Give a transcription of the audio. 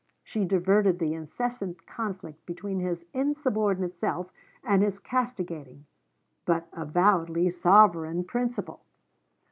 She diverted the incessant conflict between his insubordinate self and his castigating, but avowedly sovereign, principle.